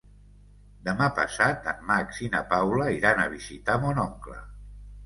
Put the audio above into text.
Demà passat en Max i na Paula iran a visitar mon oncle.